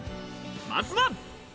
まずは。